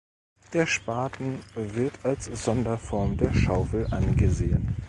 Der Spaten wird als Sonderform der Schaufel angesehen.